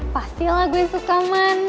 pastilah gue suka man